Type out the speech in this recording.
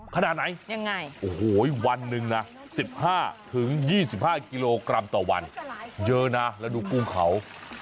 ขนาดไหนยังไงโอ้โหวันหนึ่งนะ๑๕๒๕กิโลกรัมต่อวันเยอะนะแล้วดูกุ้งเขา